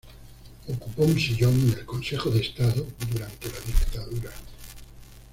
Ocupó un sillón en el Consejo de Estado durante la dictadura.